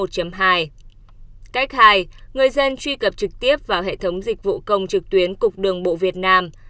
cách hai người dân truy cập trực tiếp vào hệ thống dịch vụ công trực tuyến cục đường bộ việt nam